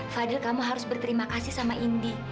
fadil kamu harus berterima kasih sama indi